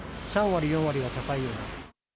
３割、４割は高いような。